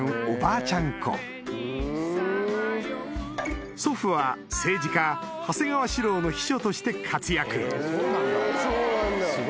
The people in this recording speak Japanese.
おばあちゃん子祖父は政治家長谷川四郎の秘書として活躍